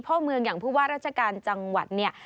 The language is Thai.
พ่อเมืองอย่างผู้ว่าราชการจังหวัดเนี่ย